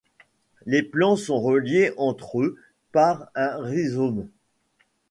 Les plants sont reliées entre eux par un rhizome.